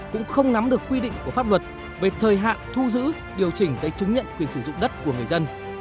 cũng không nắm được quy định của pháp luật về thời hạn thu giữ điều chỉnh giấy chứng nhận quyền sử dụng đất của người dân